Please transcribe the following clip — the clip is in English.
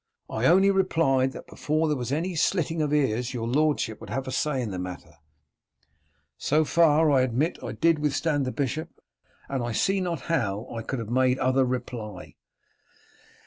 I only replied that before there was any slitting of ears your lordship would have a say in the matter. So far, I admit, I did withstand the bishop, and I see not how I could have made other reply."